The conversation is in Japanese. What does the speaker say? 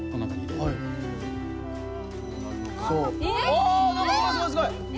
おすごいすごいすごい。